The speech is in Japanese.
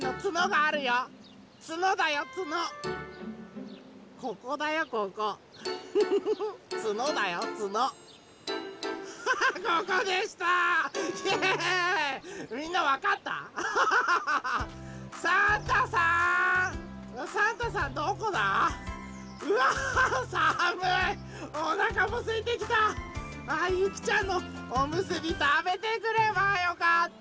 あゆきちゃんのおむすびたべてくればよかった。